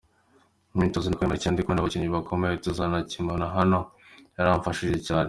Imyitozo nakoreye muri Kenya ndi kumwe n’abakinnyi bakomeye tuzanakinana hano yaramfashije cyane.